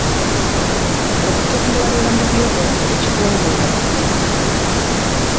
Okutendewalirwa mu by'okola tekigonjoola bizibu.